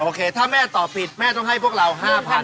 ถ้าแม่ตอบผิดแม่ต้องให้พวกเรา๕๐๐๐